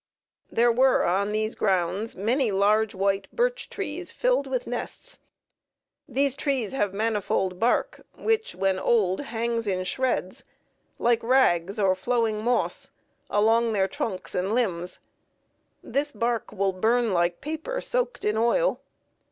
There were on these grounds many large white birch trees filled with nests. These trees have manifold bark, which, when old, hangs in shreds like rags or flowing moss, along their trunks and limbs. This bark will burn like paper soaked in oil.